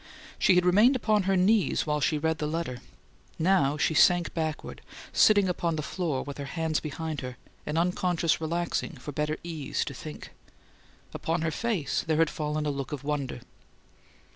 She had remained upon her knees while she read the letter; now she sank backward, sitting upon the floor with her hands behind her, an unconscious relaxing for better ease to think. Upon her face there had fallen a look of wonder.